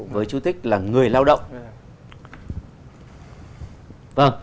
với chú thích là người lao động